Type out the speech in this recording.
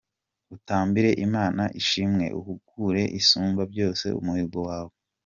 Utambire Imana ishimwe, Uhigure Isumbabyose umuhigo wawe.